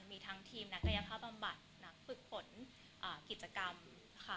มีทั้งทีมนักกายภาพบำบัดนักฝึกฝนกิจกรรมค่ะ